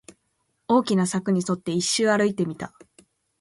大きな柵に沿って、一周歩いてみた